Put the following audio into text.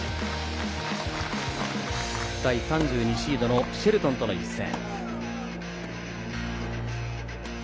第３２シードのシェルトンとの一線。